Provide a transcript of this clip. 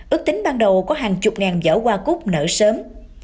ước tính ban đầu có hàng chục ngàn giỏ hoa cúc nở sớm